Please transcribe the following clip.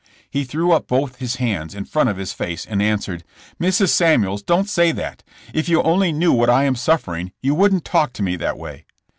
He threw up both his hands in front of his face and answered: "Mrs. Samuels, don't say that. If you only knew what I am suffering, you wouldn't talk to me that way."